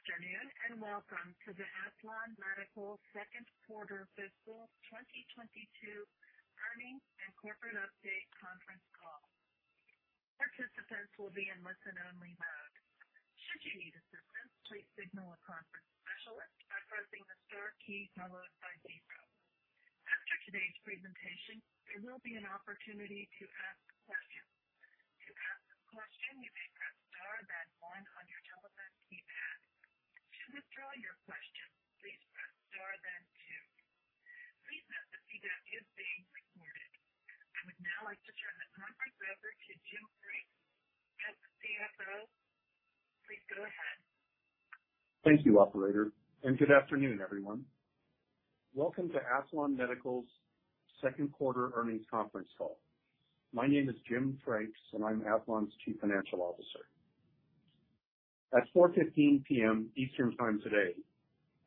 Good afternoon, and welcome to the Aethlon Medical second quarter fiscal 2022 earnings and corporate update conference call. Participants will be in listen-only mode. Should you need assistance, please signal a conference specialist by pressing the star key followed by zero. After today's presentation, there will be an opportunity to ask questions. To ask a question, you may press star then one on your telephone keypad. To withdraw your question, please press star then two. Please note this meeting is being recorded. I would now like to turn the conference over to Jim Frakes, CFO. Please go ahead. Thank you, operator, and good afternoon, everyone. Welcome to Aethlon Medical's second quarter earnings conference call. My name is Jim Frakes, and I'm Aethlon's Chief Financial Officer. At 4:15 P.M. Eastern Time today,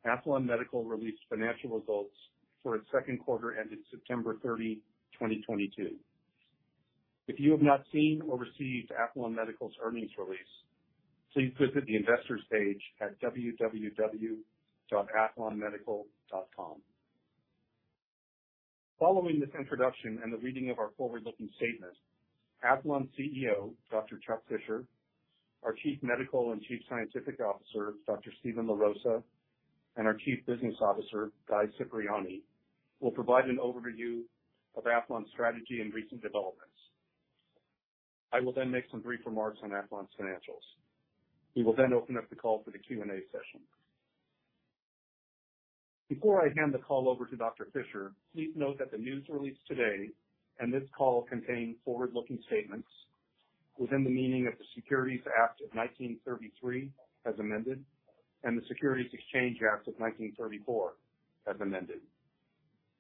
Aethlon Medical released financial results for its second quarter ending September 30, 2022. If you have not seen or received Aethlon Medical's earnings release, please visit the investors page at www.aethlonmedical.com. Following this introduction and the reading of our forward-looking statement, Aethlon CEO, Dr. Chuck Fisher, our Chief Medical and Chief Scientific Officer, Dr. Steven LaRosa, and our Chief Business Officer, Guy Cipriani, will provide an overview of Aethlon's strategy and recent developments. I will then make some brief remarks on Aethlon's financials. We will then open up the call for the Q&A session. Before I hand the call over to Dr. Fisher, please note that the news release today and this call contain forward-looking statements within the meaning of the Securities Act of 1933 as amended, and the Securities Exchange Act of 1934 as amended.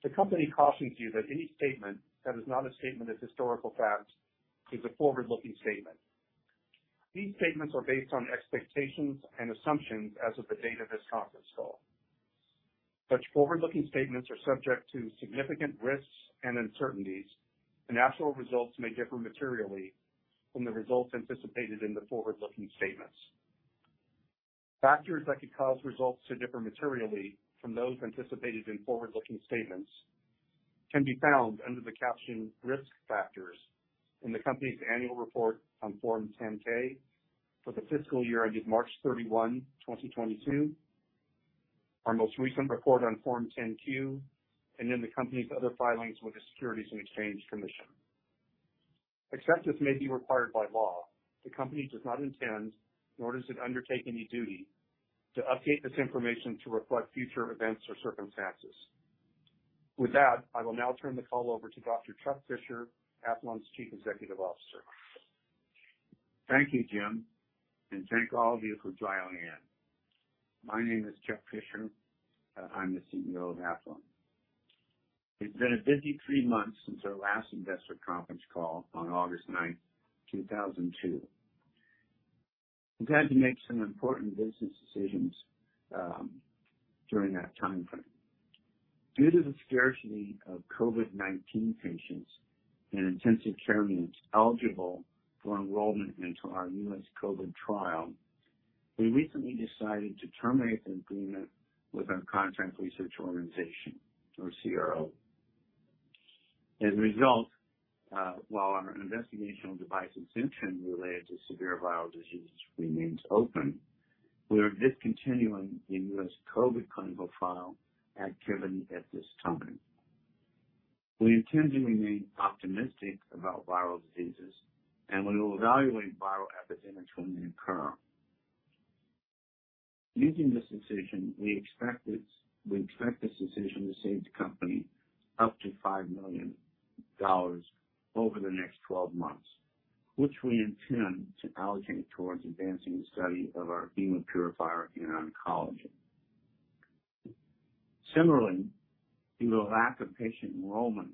The company cautions you that any statement that is not a statement of historical fact is a forward-looking statement. These statements are based on expectations and assumptions as of the date of this conference call. Such forward-looking statements are subject to significant risks and uncertainties, and actual results may differ materially from the results anticipated in the forward-looking statements. Factors that could cause results to differ materially from those anticipated in forward-looking statements can be found under the caption Risk Factors in the company's annual report on Form 10-K for the fiscal year ended March 31, 2022, our most recent report on Form 10-Q, and in the company's other filings with the Securities and Exchange Commission. Except as may be required by law, the company does not intend, nor does it undertake any duty to update this information to reflect future events or circumstances. With that, I will now turn the call over to Dr. Chuck Fisher, Aethlon's Chief Executive Officer. Thank you, Jim, and thank all of you for dialing in. My name is Chuck Fisher. I'm the CEO of Aethlon Medical. It's been a busy three months since our last investor conference call on August 9, 2022. We've had to make some important business decisions during that timeframe. Due to the scarcity of COVID-19 patients in intensive care units eligible for enrollment into our US COVID trial, we recently decided to terminate the agreement with our contract research organization or CRO. As a result, while our investigational device exemption related to severe viral diseases remains open, we are discontinuing the US COVID clinical trial activity at this time. We intend to remain optimistic about viral diseases, and we will evaluate viral epidemics when they occur. Making this decision, we expect it's. We expect this decision to save the company up to $5 million over the next 12 months, which we intend to allocate toward advancing the study of our Hemopurifier in oncology. Similarly, due to a lack of patient enrollment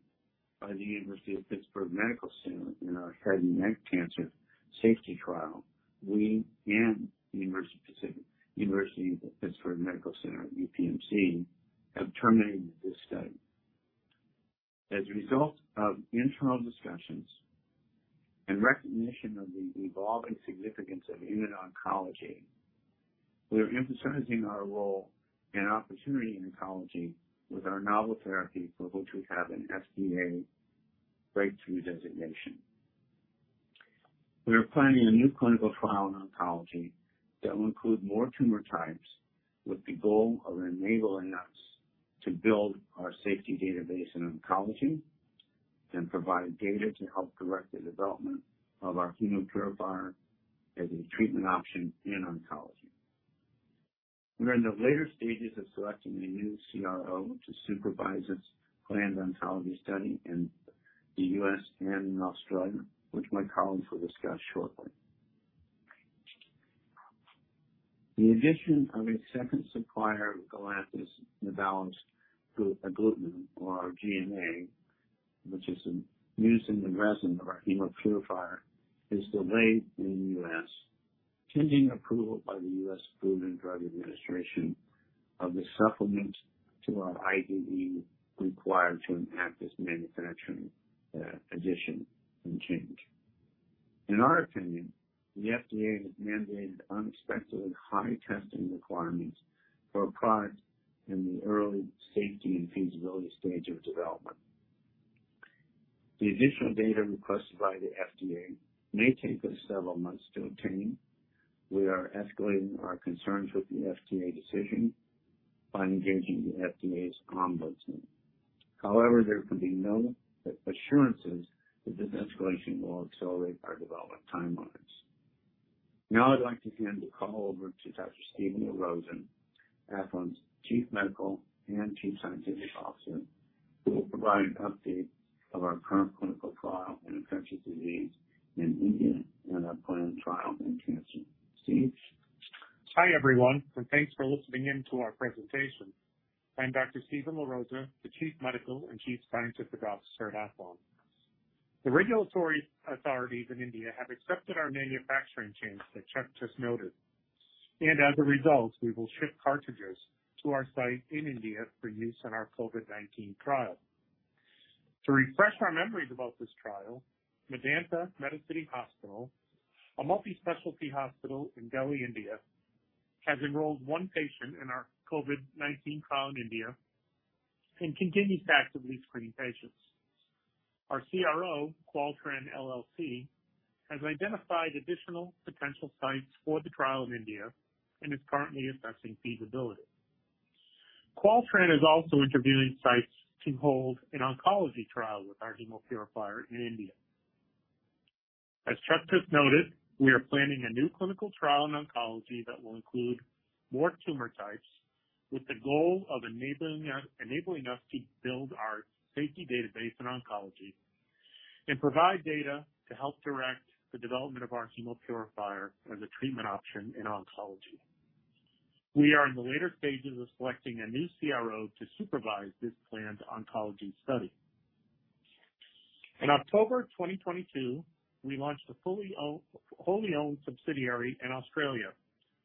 by the University of Pittsburgh Medical Center in our head and neck cancer safety trial, we and the University of Pittsburgh Medical Center, UPMC, have terminated this study. As a result of internal discussions and recognition of the evolving significance of immuno-oncology, we are emphasizing our role and opportunity in oncology with our novel therapy for which we have an FDA breakthrough designation. We are planning a new clinical trial in oncology that will include more tumor types with the goal of enabling us to build our safety database in oncology and provide data to help direct the development of our Hemopurifier as a treatment option in oncology. We're in the later stages of selecting a new CRO to supervise its planned oncology study in the US and in Australia, which my colleagues will discuss shortly. The addition of a second supplier of Galanthus nivalis agglutinin or GNA, which is used in the resin of our Hemopurifier, is delayed in the US, pending approval by the U.S. Food and Drug Administration of the supplement to our IDE required to enact this manufacturing addition and change. In our opinion, the FDA has mandated unexpectedly high testing requirements for a product in the early safety and feasibility stage of development. The additional data requested by the FDA may take us several months to obtain. We are escalating our concerns with the FDA decision by engaging the FDA's ombudsman. However, there can be no assurances that this escalation will accelerate our development timelines. Now I'd like to hand the call over to Dr. Steven LaRosa, Aethlon's Chief Medical and Chief Scientific Officer, who will provide an update of our current clinical trial in infectious disease in India and our planned trial in cancer. Steve? Hi, everyone, and thanks for listening in to our presentation. I'm Dr. Steven LaRosa, the Chief Medical and Chief Scientific Officer at Aethlon. The regulatory authorities in India have accepted our manufacturing change that Chuck just noted, and as a result, we will ship cartridges to our site in India for use in our COVID-19 trial. To refresh our memories about this trial, Medanta Medicity Hospital, a multi-specialty hospital in Delhi, India, has enrolled one patient in our COVID-19 trial in India and continues to actively screen patients. Our CRO, Qualtran LLC, has identified additional potential sites for the trial in India and is currently assessing feasibility. Qualtran is also interviewing sites to hold an oncology trial with our Hemopurifier in India. As Chuck just noted, we are planning a new clinical trial in oncology that will include more tumor types with the goal of enabling us to build our safety database in oncology and provide data to help direct the development of our Hemopurifier as a treatment option in oncology. We are in the later stages of selecting a new CRO to supervise this planned oncology study. In October 2022, we launched a wholly owned subsidiary in Australia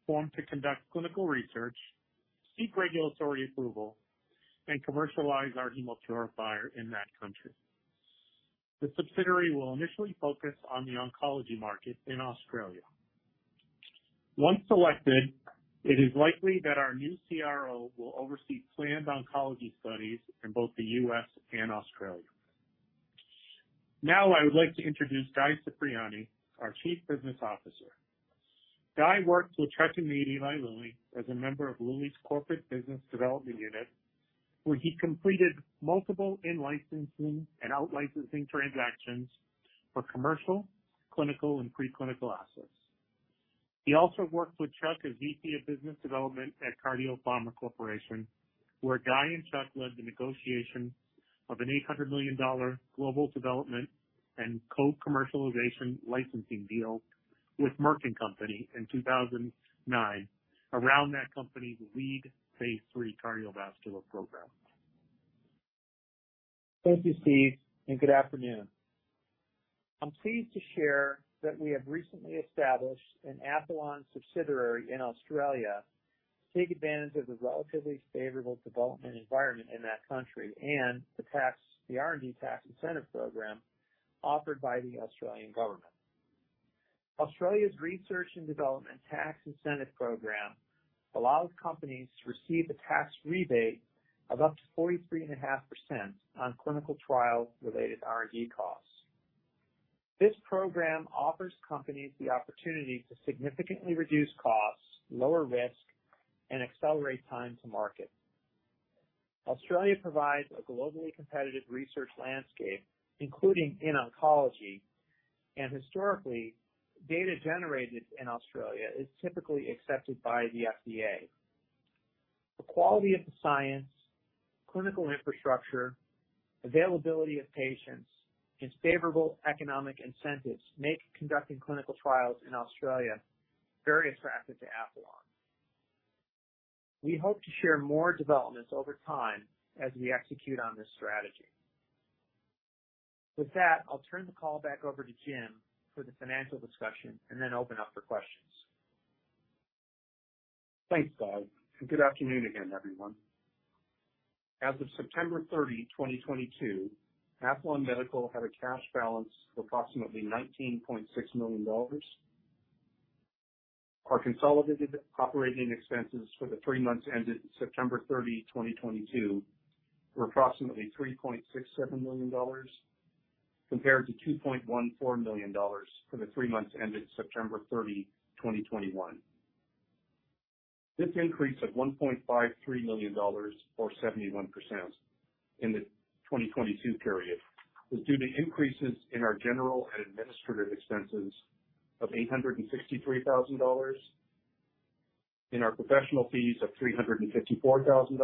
formed to conduct clinical research, seek regulatory approval, and commercialize our Hemopurifier in that country. The subsidiary will initially focus on the oncology market in Australia. Once selected, it is likely that our new CRO will oversee planned oncology studies in both the U.S. and Australia. Now, I would like to introduce Guy Cipriani, our Chief Business Officer. Guy worked with Chuck and me at Eli Lilly as a member of Lilly's Corporate Business Development unit, where he completed multiple in-licensing and out-licensing transactions for commercial, clinical, and pre-clinical assets. He also worked with Chuck as VP of Business Development at Cardiopharma Corporation, where Guy and Chuck led the negotiation of an $800 million global development and co-commercialization licensing deal with Merck & Company in 2009 around that company's lead phase III cardiovascular program. Thank you, Steve, and good afternoon. I'm pleased to share that we have recently established an Aethlon subsidiary in Australia to take advantage of the relatively favorable development environment in that country and the R&D tax incentive program offered by the Australian government. Australia's research and development tax incentive program allows companies to receive a tax rebate of up to 43.5% on clinical trial-related R&D costs. This program offers companies the opportunity to significantly reduce costs, lower risk, and accelerate time to market. Australia provides a globally competitive research landscape, including in oncology. Historically, data generated in Australia is typically accepted by the FDA. The quality of the science, clinical infrastructure, availability of patients, and favorable economic incentives make conducting clinical trials in Australia very attractive to Aethlon. We hope to share more developments over time as we execute on this strategy. With that, I'll turn the call back over to Jim for the financial discussion and then open up for questions. Thanks, Guy, and good afternoon again, everyone. As of September 30, 2022, Aethlon Medical had a cash balance of approximately $19.6 million. Our consolidated operating expenses for the three months ended September 30, 2022, were approximately $3.67 million, compared to $2.14 million for the three months ended September 30, 2021. This increase of $1.53 million, or 71%, in the 2022 period was due to increases in our general and administrative expenses of $863,000, in our professional fees of $354,000,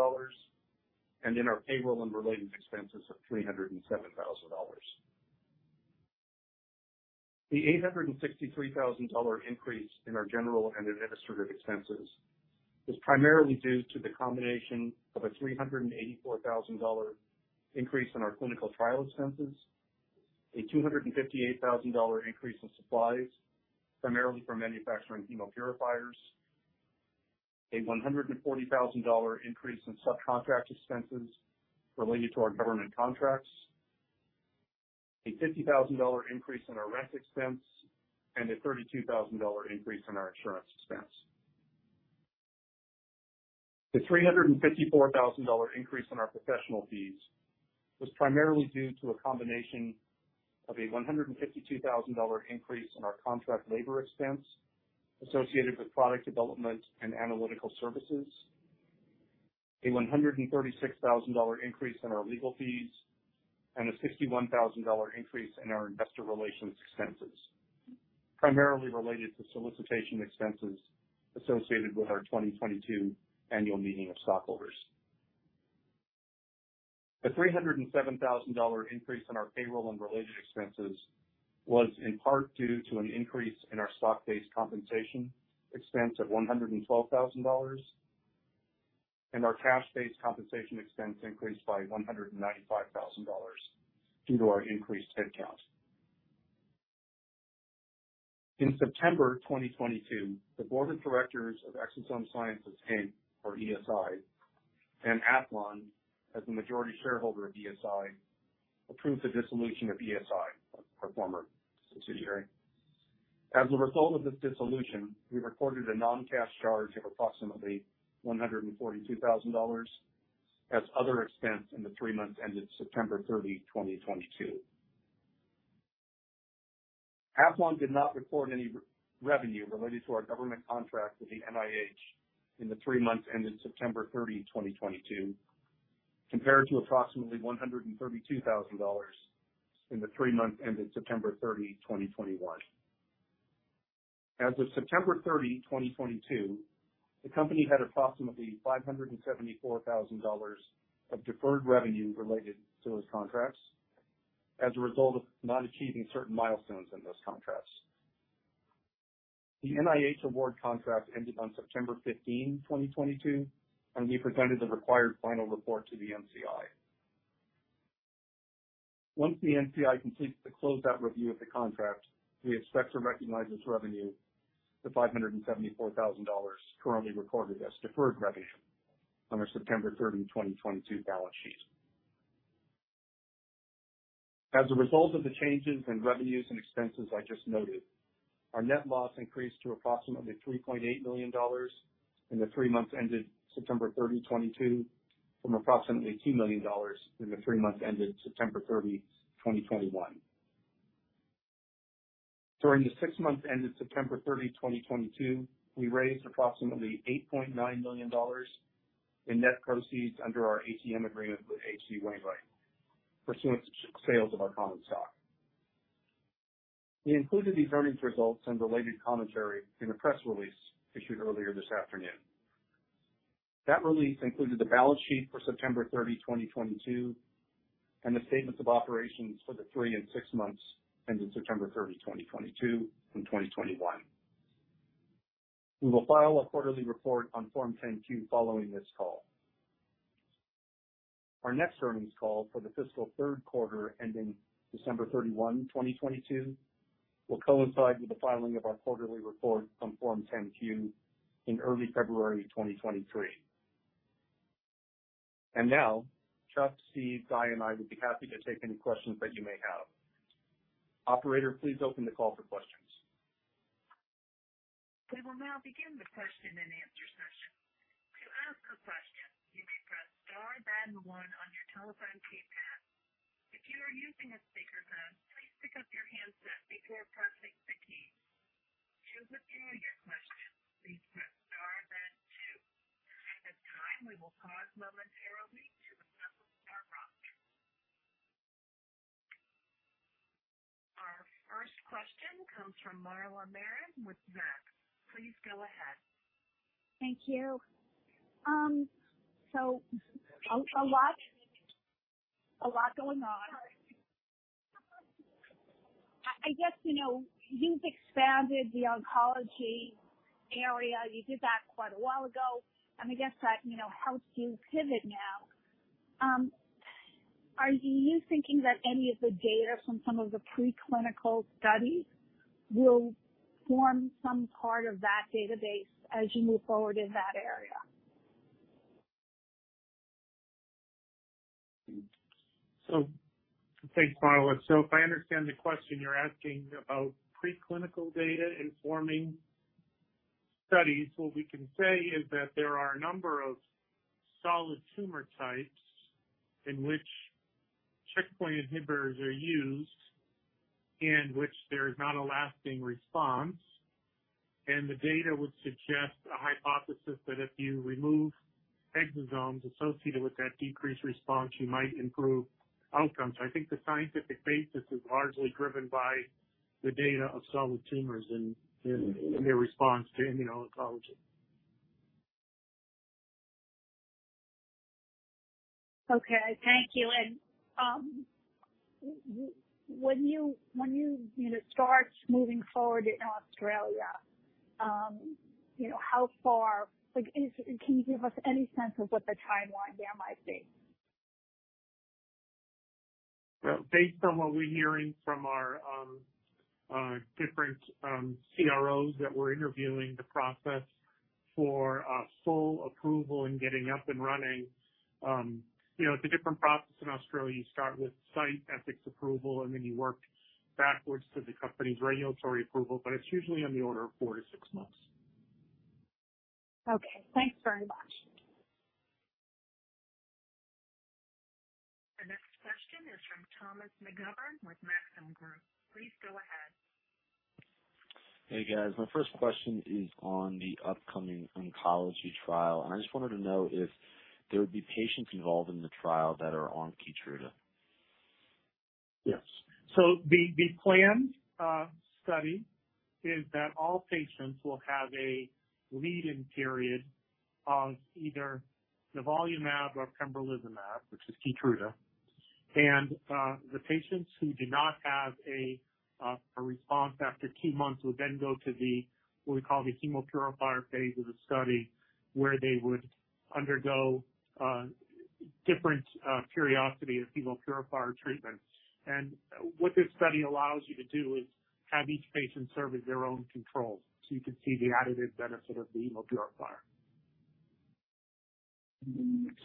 and in our payroll and related expenses of $307,000. The $863,000 increase in our general and administrative expenses is primarily due to the combination of a $384,000 increase in our clinical trial expenses. A $258 thousand dollar increase in supplies, primarily for manufacturing Hemopurifiers. A $140 thousand dollar increase in subcontract expenses related to our government contracts. A $50 thousand dollar increase in our rent expense, and a $32 thousand dollar increase in our insurance expense. The $354 thousand dollar increase in our professional fees was primarily due to a combination of a $152 thousand dollar increase in our contract labor expense associated with product development and analytical services, a $136 thousand dollar increase in our legal fees, and a $61 thousand dollar increase in our investor relations expenses, primarily related to solicitation expenses associated with our 2022 annual meeting of stockholders. The $307,000 increase in our payroll and related expenses was in part due to an increase in our stock-based compensation expense of $112,000, and our cash-based compensation expense increased by $195,000 due to our increased headcount. In September 2022, the board of directors of Exosome Sciences Inc, or ESI, and Aethlon as the majority shareholder of ESI, approved the dissolution of ESI, our former subsidiary. As a result of this dissolution, we recorded a non-cash charge of approximately $142,000 as other expense in the three months ended September 30, 2022. Aethlon did not report any revenue related to our government contract with the NIH in the three months ended September 30, 2022, compared to approximately $132,000 in the three months ended September 30, 2021. As of September 30, 2022, the company had approximately $574,000 of deferred revenue related to those contracts as a result of not achieving certain milestones in those contracts. The NIH award contract ended on September 15, 2022, and we presented the required final report to the NCI. Once the NCI completes the closeout review of the contract, we expect to recognize as revenue the $574,000 currently recorded as deferred revenue on our September 30, 2022 balance sheet. As a result of the changes in revenues and expenses I just noted, our net loss increased to approximately $3.8 million in the three months ended September 30, 2022, from approximately $2 million in the three months ended September 30, 2021. During the six months ended September 30, 2022, we raised approximately $8.9 million in net proceeds under our ATM Agreement with H.C. Wainwright pursuant to sales of our common stock. We included these earnings results and related commentary in a press release issued earlier this afternoon. That release included the balance sheet for September 30, 2022, and the statements of operations for the three and six months ended September 30, 2022 and 2021. We will file a quarterly report on Form 10-Q following this call. Our next earnings call for the fiscal third quarter ending December 31, 2022, will coincide with the filing of our quarterly report on Form 10-Q in early February 2023. Now Chuck, Steve, Guy, and I would be happy to take any questions that you may have. Operator, please open the call for questions. We will now begin the question and answer session. To ask a question, you may press star then one on your telephone keypad. If you are using a speakerphone, please pick up your handset before pressing the key. To withdraw your question, please press star then two. At this time, we will pause momentarily to assess our progress. Our first question comes from Marla Marin with Zacks. Please go ahead. Thank you. A lot going on. I guess, you know, you've expanded the oncology area. You did that quite a while ago. I guess that, you know, helps you pivot now. Are you thinking that any of the data from some of the preclinical studies will form some part of that database as you move forward in that area? Thanks, Marla. If I understand the question, you're asking about preclinical data informing studies. What we can say is that there are a number of solid tumor types in which checkpoint inhibitors are used and which there is not a lasting response. The data would suggest a hypothesis that if you remove exosomes associated with that decreased response, you might improve outcomes. I think the scientific basis is largely driven by the data of solid tumors and their response to immunotherapy. Okay. Thank you. When you know, start moving forward in Australia, you know, can you give us any sense of what the timeline there might be? Well, based on what we're hearing from our different CROs that we're interviewing the process for sole approval and getting up and running, you know, it's a different process in Australia. You start with site ethics approval, and then you work backwards to the company's regulatory approval, but it's usually on the order of four to six months. Okay. Thanks very much. The next question is from Thomas McGovern with Maxim Group. Please go ahead. Hey, guys. My first question is on the upcoming oncology trial, and I just wanted to know if there would be patients involved in the trial that are on Keytruda. Yes. The planned study is that all patients will have a lead-in period of either nivolumab or pembrolizumab, which is Keytruda. The patients who do not have a response after two months will then go to the, what we call the Hemopurifier phase of the study, where they would undergo different courses of Hemopurifier treatment. What this study allows you to do is have each patient serve as their own control. You can see the additive benefit of the Hemopurifier.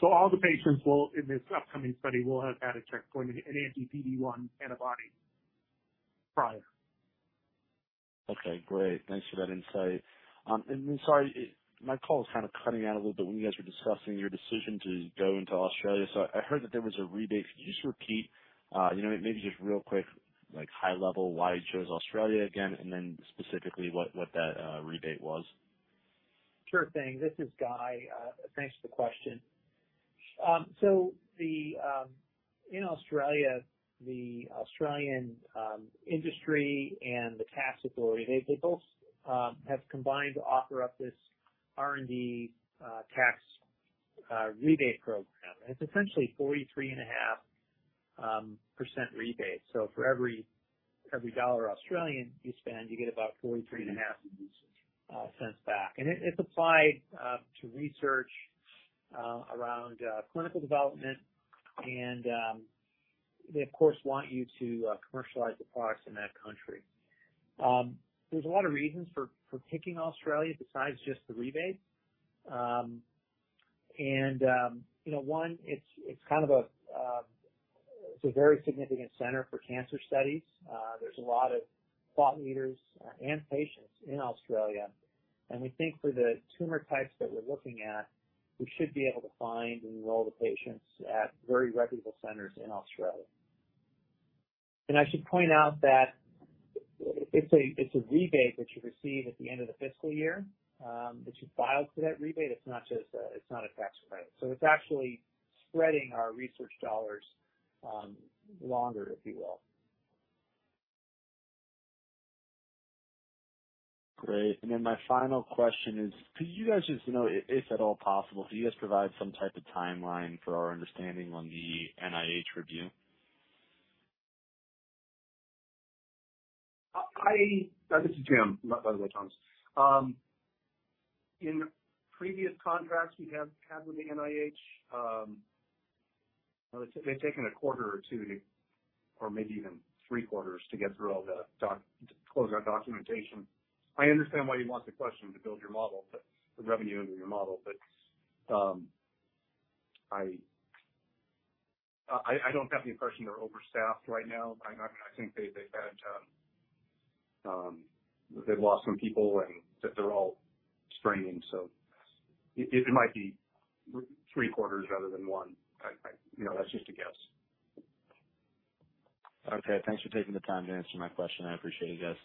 All the patients, in this upcoming study, will have had a checkpoint, an anti-PD-1 antibody prior. Okay, great. Thanks for that insight. Sorry, my call was kind of cutting out a little bit when you guys were discussing your decision to go into Australia. I heard that there was a rebate. Could you just repeat, you know, maybe just real quick, like high level, why you chose Australia again and then specifically what that rebate was? Sure thing. This is Guy. Thanks for the question. In Australia, the Australian industry and the tax authority, they both have combined to offer up this R&D tax rebate program. It's essentially 43.5% rebate. For every AUD 1 you spend, you get about 0.435 back. It's applied to research around clinical development and they of course want you to commercialize the products in that country. There's a lot of reasons for picking Australia besides just the rebate. You know, one, it's kind of a very significant center for cancer studies. There's a lot of thought leaders and patients in Australia. We think for the tumor types that we're looking at, we should be able to find and enroll the patients at very reputable centers in Australia. I should point out that it's a rebate that you receive at the end of the fiscal year, that you filed for that rebate. It's not just a tax credit. It's actually spreading our research dollars longer, if you will. Great. My final question is, could you guys just, you know, if at all possible, could you guys provide some type of timeline for our understanding on the NIH review? This is Jim, by the way, Thomas. In previous contracts we have had with the NIH, they've taken a quarter or two, or maybe even three quarters to close our documentation. I understand why you'd want the question to build your model, but the revenue into your model. I don't have the impression they're overstaffed right now. I think they've had, they've lost some people and that they're all straining, so it might be three quarters rather than one. You know, that's just a guess. Okay. Thanks for taking the time to answer my question. I appreciate it, guys.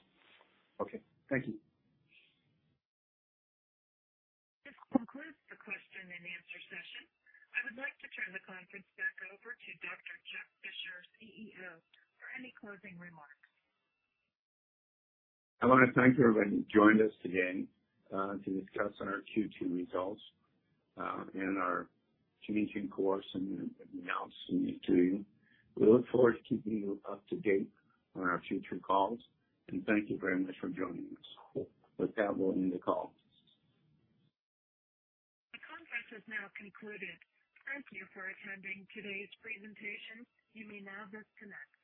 Okay. Thank you. This concludes the question and answer session. I would like to turn the conference back over to Dr. Chuck Fisher, CEO, for any closing remarks. I wanna thank everybody who joined us today, to discuss our Q2 results, and our communications, of course, and announcing it to you. We look forward to keeping you up to date on our future calls. Thank you very much for joining us. With that, we'll end the call. The conference has now concluded. Thank you for attending today's presentation. You may now disconnect.